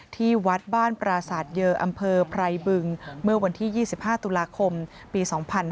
ที่วัดบ้านปราศาสตร์เยออำเภอไพรบึงเมื่อวันที่๒๕ตุลาคมปี๒๕๕๙